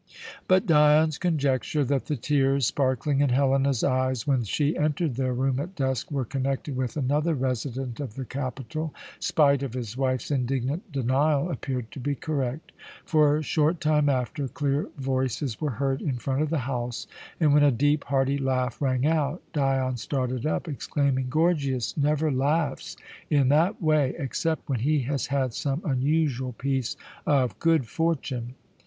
But Dion's conjecture that the tears sparkling in Helena's eyes when she entered their room at dusk were connected with another resident of the capital, spite of his wife's indignant denial, appeared to be correct; for, a short time after, clear voices were heard in front of the house, and when a deep, hearty laugh rang out, Dion started up, exclaiming, "Gorgias never laughs in that way, except when he has had some unusual piece of good fortune!"